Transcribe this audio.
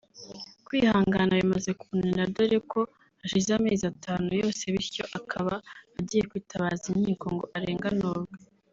Kwihangana bimaze kumunanira dore ko hashize amezi atanu yose bityo akaba agiye kwitabaza inkiko ngo arenganurwe